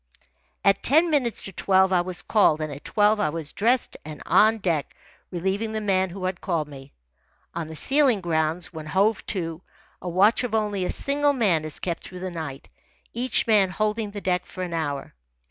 At ten minutes to twelve I was called, and at twelve I was dressed and on deck, relieving the man who had called me. On the sealing grounds, when hove to, a watch of only a single man is kept through the night, each man holding the deck for an hour.